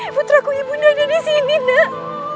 putraku ibu bunda ada disini nak